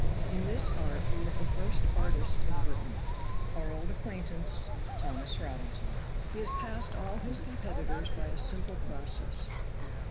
(In this art we have the first artist in Britain, our old acquaintance, Thomas Robinson. He has passed all his competitors by a simple process.